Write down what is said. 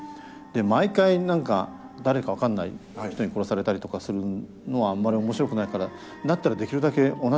毎回何か誰か分かんない人に殺されたりとかするのはあんまり面白くないからだったらできるだけ同じ人に殺させようっていう。